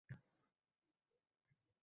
Yashashi shart poyidor.